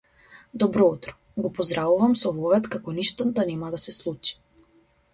Добро утро, го поздравувам со вовед како ништо да нема да се случи.